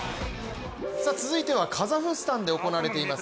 続いてはカザフスタンで行われています